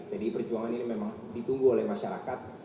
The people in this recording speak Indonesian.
jadi perjuangan ini memang ditunggu oleh masyarakat